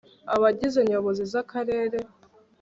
abagize nyobozi za karere